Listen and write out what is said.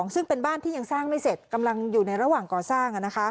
ซึ่งเป็นบ้านที่ยังสร้างไม่เสร็จกำลังอยู่ในระหว่างก่อสร้าง